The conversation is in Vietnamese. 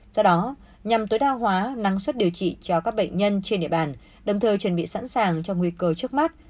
do đó nhằm tối đa hóa năng suất điều trị cho các bệnh nhân trên địa bàn đồng thời chuẩn bị sẵn sàng cho nguy cơ trước mắt